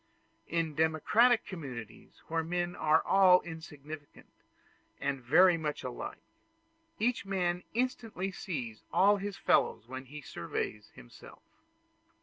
In democratic communities, where men are all insignificant and very much alike, each man instantly sees all his fellows when he surveys himself.